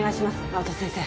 青戸先生